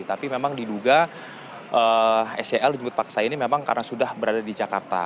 tapi memang diduga sel dijemput paksa ini memang karena sudah berada di jakarta